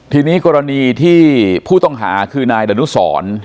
ทีนี้กรณีที่ผู้ต้องหาคือนายดนุสร